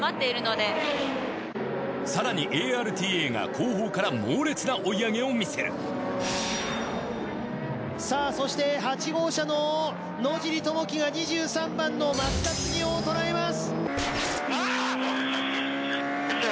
更にＡＲＴＡが後方から猛烈な追い上げをみせるさあそして８号車の野尻智紀が２３番の松田次生をとらえます。